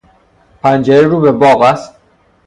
پنجره رو به باغ است.